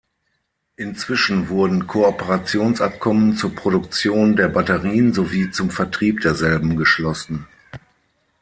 Inzwischen wurden Kooperationsabkommen zur Produktion der Batterien sowie zum Vertrieb derselben geschlossen.